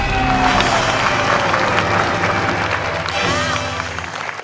ใช้